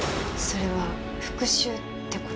それは復讐って事？